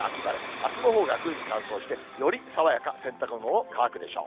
あすのほうが空気乾燥して、より爽やか、洗濯物も乾くでしょう。